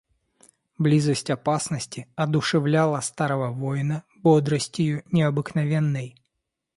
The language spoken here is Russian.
Близость опасности одушевляла старого воина бодростию необыкновенной.